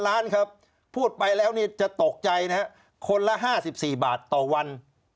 ล้านครับพูดไปแล้วนี่จะตกใจนะฮะคนละ๕๔บาทต่อวัน